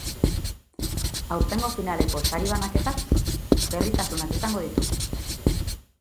Aurtengo finaleko sari-banaketak berritasunak izango ditu.